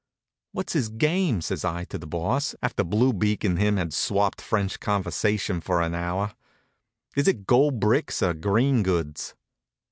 "What's his game," says I to the Boss, after Blue Beak and him had swapped French conversation for an hour. "Is it gold bricks or green goods?"